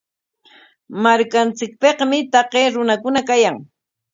Markanchikpikmi taqay runakuna kayan.